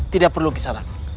tidak perlu kisanak